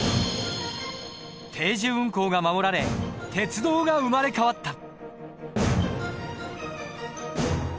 定時運行が守られ鉄道が生まれ変わった。